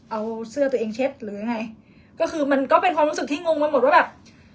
เอาเสื้อตัวเองเช็ดหรือยังไงก็คือมันก็เป็นความรู้สึกที่งงไปหมดว่าแบบ